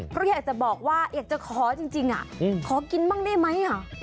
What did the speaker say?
เพราะอยากจะบอกว่าอยากจะขอจริงขอกินบ้างได้ไหม